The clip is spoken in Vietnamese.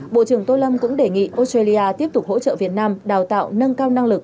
bộ trưởng tô lâm cũng đề nghị australia tiếp tục hỗ trợ việt nam đào tạo nâng cao năng lực